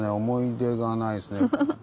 思い出がないですね。